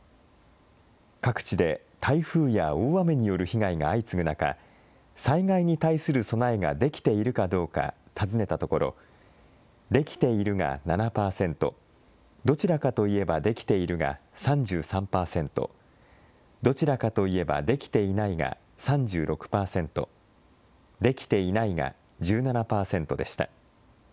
各地で台風や大雨による被害が相次ぐ中、災害に対する備えができているかどうか尋ねたところできているが７％、どちらとかといえばできているが３３％、どちらかといえばできていないが３６％、できていないが１７％でした。